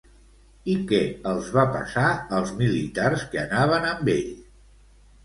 I què els va passar als militars que anaven amb ell?